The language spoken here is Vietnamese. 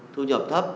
thu nhập thấp